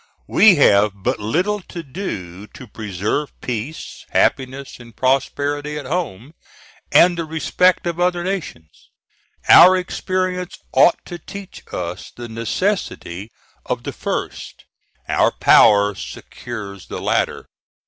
We have but little to do to preserve peace, happiness and prosperity at home, and the respect of other nations. Our experience ought to teach us the necessity of the first; our power secures the latter.